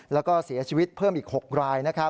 แล้วก็เสียชีวิตเพิ่มอีก๖ราย